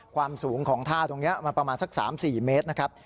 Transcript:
ความสูงของท่าตรงนี้มันประมาณสัก๓๔เมตรนะครับ